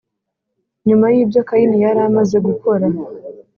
Nyuma y ibyo Kayini yari amaze gukora